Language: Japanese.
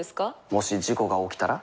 もし事故が起きたら？